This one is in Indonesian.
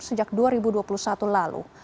sejak dua ribu dua puluh satu lalu